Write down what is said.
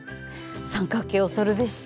三角形恐るべし。